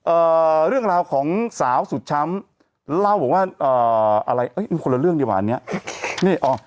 เอ่อเรื่องราวของสาวสุดช้ำเล่าบอกว่าเอ่ออะไรเอ้ยมันคนละเรื่องดีกว่าอันเนี้ยนี่อ๋อ